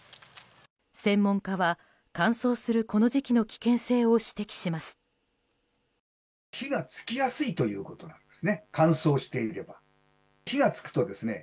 専門家は乾燥するこの時期の危険性を指摘します。